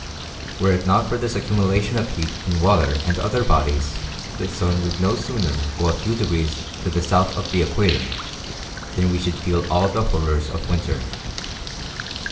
Were it not for this accumulation of heat in water and other bodies, the sun would no sooner go a few degrees to the south of the equator, than we should feel all the horrors of winter.